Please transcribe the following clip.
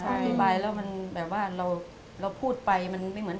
อธิบายแล้วมันแบบว่าเราพูดไปมันไม่เหมือน